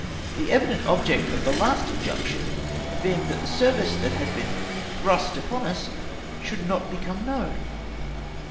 the evident object of the last injunction being that the service which had been thrust upon us should not become known